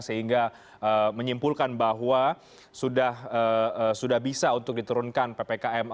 sehingga menyimpulkan bahwa sudah bisa untuk diturunkan ppkm